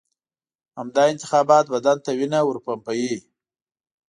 همدا انتخابات بدن ته وینه ورپمپوي.